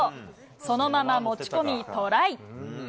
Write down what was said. そのまま持ち込み、トライ。